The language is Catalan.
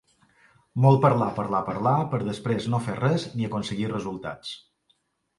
Molt parlar, parlar, parlar, per després no fer res ni aconseguir resultats.